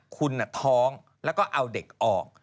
คุณท้องแล้วก็เอาเด็กออก